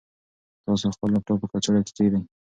تاسو خپل لپټاپ په کڅوړه کې کېږدئ.